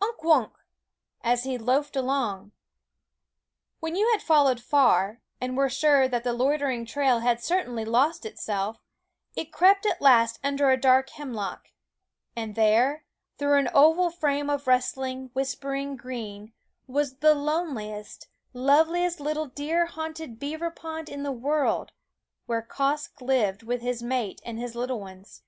Unk wunk ! as he loaf ed along. When you had followed far, and were sure that the loitering trail had cer tainly lost itself, it crept at last under a dark hemlock ; and there, through an oval frame THE WOODS & of rustling, whispering green, was the loneli est, loveliest little deer haunted beaver pond ^ i 111 ^ 111 1 (juosKn me in the world, where Quoskh lived with his ^^^Keen Eyed mate and his little ones.